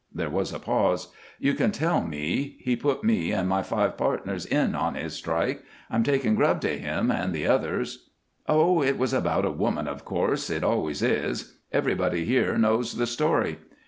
There was a pause. "You can tell me. He put me and my five pardners in on his strike. I'm taking grub to him and the others." "Oh, it was about a woman, of course. It always is. Everybody here knows the story.